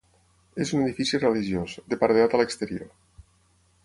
És un edifici religiós, de paredat a l'exterior.